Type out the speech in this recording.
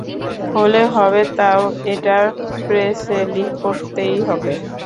হলে হবে, তাও এটা প্রেসে লিক করতেই হবে।